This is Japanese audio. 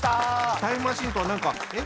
タイムマシーンとは何かえっ？